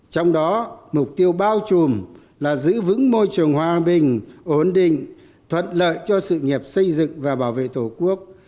trong đó mục tiêu bao trùm là giữ vững môi trường hòa bình ổn định thuận lợi cho sự nghiệp xây dựng và bảo vệ tổ quốc